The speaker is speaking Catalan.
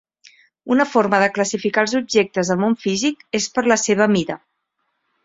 Una forma de classificar els objectes del món físic és per la seva mida.